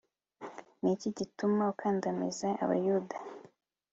ni iki gituma ukandamiza abayahudi